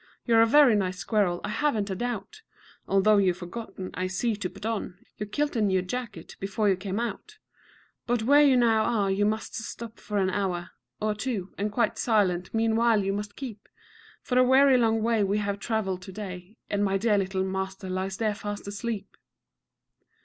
You're a very nice squirrel, I haven't a doubt (Although you've forgotten, I see, to put on Your kilt and your jacket before you came out), But where you now are you must stop for an hour Or two, and quite silent meanwhile you must keep, For a weary long way we have travelled to day, And my dear little master lies there fast asleep.